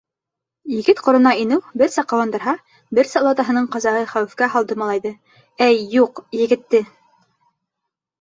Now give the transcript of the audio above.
Егет ҡорона инеү берсә ҡыуандырһа, берсә олатаһының ҡазаһы хәүефкә һалды малайҙы, әй, юҡ, егетте.